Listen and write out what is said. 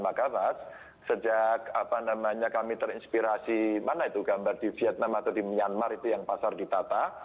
maka mas sejak kami terinspirasi mana itu gambar di vietnam atau di myanmar itu yang pasar ditata